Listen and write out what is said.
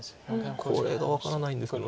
これが分からないんですけど。